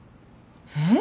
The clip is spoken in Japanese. えっ？